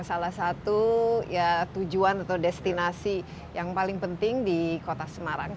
salah satu tujuan atau destinasi yang paling penting di kota semarang